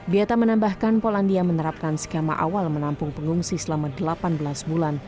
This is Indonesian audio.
beata menambahkan polandia menerapkan skema awal menampung pengungsi selama delapan belas bulan